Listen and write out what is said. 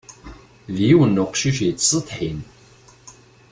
D yiwen n uqcic yettsetḥin.